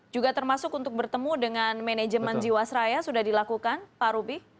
juga termasuk untuk bertemu dengan manajemen jiwa seraya sudah dilakukan pak rubi